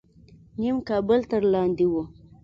نیم کابل تر لاندې و.